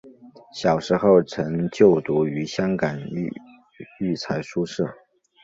小时候曾就读于香港育才书社。